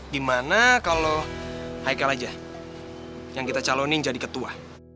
gimana kalo haikal aja yang kita calonin jadi ketua